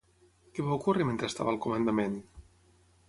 Què va ocórrer mentre estava al comandament?